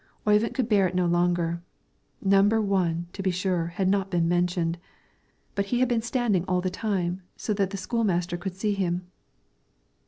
Oyvind could bear it no longer; number one, to be sure, had not been mentioned, but he had been standing all the time so that the school master could see him.